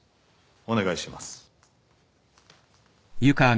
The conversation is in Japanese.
お願いします。